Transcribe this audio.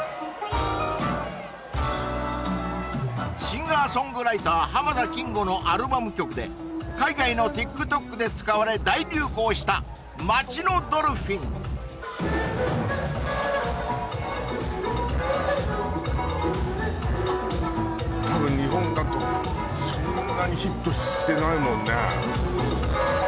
シンガーソングライター濱田金吾のアルバム曲で海外のＴｉｋＴｏｋで使われ大流行した「街のドルフィン」多分日本だとそんなにヒットしてないもんね